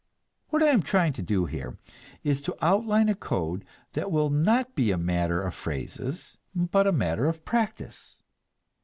What I am trying to do here is to outline a code that will not be a matter of phrases but a matter of practice.